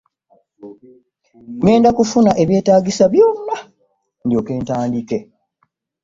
Ŋŋenda kufuna ebyetaagisa byonna ndyoke ntandike.